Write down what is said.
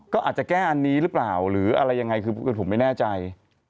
ก็อาจจะแก้อันนี้หรือเปล่าหรืออะไรยังไงคือผมไม่แน่ใจ